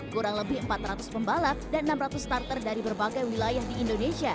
kurang lebih empat ratus pembalap dan enam ratus starter dari berbagai wilayah di indonesia